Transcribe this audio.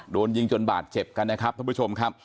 โดนยิงจนบาดเจ็บกันนะครับท่านผู้ชมครับ